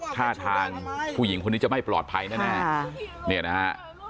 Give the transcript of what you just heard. ท่าทางผู้หญิงคนนี้จะไม่ปลอดภัยแน่